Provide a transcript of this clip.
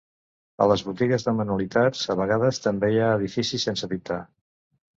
A les botiges de manualitats, a vegades també hi ha edificis sense pintar.